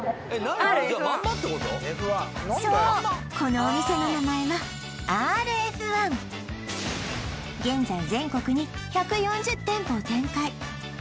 そうこのお店の名前は現在全国に１４０店舗を展開